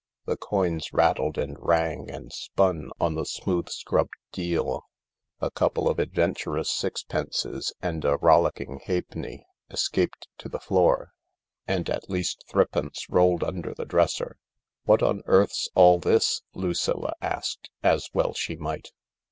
The coins rattled and rang and spun on the smooth scrubbed deal ; a couple of adventurous sixpences and a rollicking halfpenny escaped to the floor, and at least three pence rolled under the dresser. " What on earth's all this ?" Lucilla asked, as well she might.